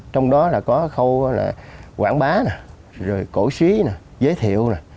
trong đó là có khâu quảng bá rồi cổ xí giới thiệu